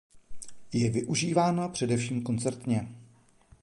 Je využívána především koncertně.